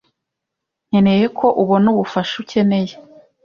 nkeneye ko ubona ubufasha ukeneye.